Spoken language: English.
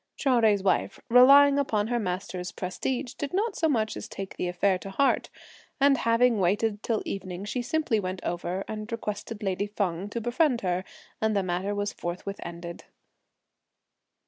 Chou Jui's wife, relying upon her master's prestige, did not so much as take the affair to heart; and having waited till evening, she simply went over and requested lady Feng to befriend her, and the matter was forthwith ended.